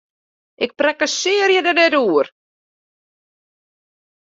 Ik prakkesearje der net oer!